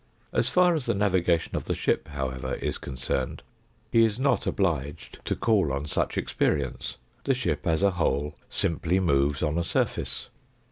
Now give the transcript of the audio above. As far as the navigation of the ship, however, is concerned, he is not obliged to call on such experience. The ship as a whole simply moves on a surface.